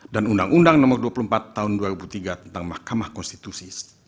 dan undang undang nomor dua puluh empat tahun dua ribu tiga tentang mahkamah konstitusi